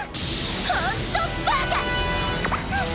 ホントバカ！